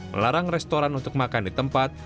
melarang restoran untuk makan di tempat